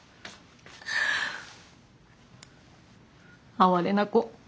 哀れな娘。